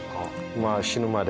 まあ死ぬまで。